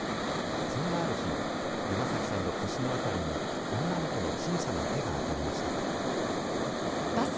そんなある日、山崎さんの腰の辺りに、女の子の小さな手が当たりました。